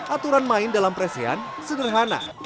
aturan main dalam presian sederhana